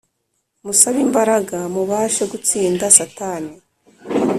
Musabe imbaraga mubashe gutsinda satani